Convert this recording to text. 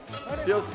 よし！